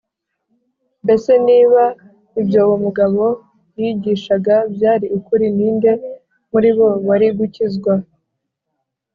mbese niba ibyo uwo mugabo yigishaga byari ukuri, ni nde muri bo wari gukizwa?